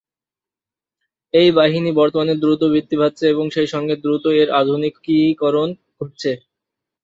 এই বাহিনী বর্তমানে দ্রুত বৃদ্ধি পাচ্ছে এবং সেই সঙ্গে দ্রুত এর আধুনিকীকরণ ঘটছে।